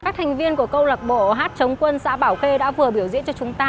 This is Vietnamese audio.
các thành viên của câu lạc bộ hát chống quân xã bảo khê đã vừa biểu diễn cho chúng ta